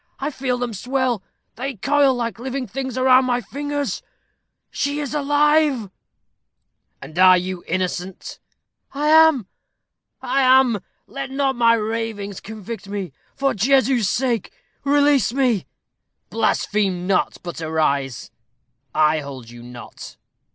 I feel them swell; they coil like living things around my fingers. She is alive." "And you are innocent?" "I am I am. Let not my ravings convict me. For Jesu's sake, release me." "Blaspheme not, but arise. I hold you not."